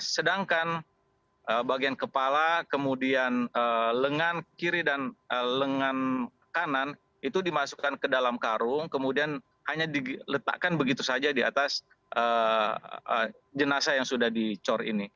sedangkan bagian kepala kemudian lengan kiri dan lengan kanan itu dimasukkan ke dalam karung kemudian hanya diletakkan begitu saja di atas jenazah yang sudah dicor ini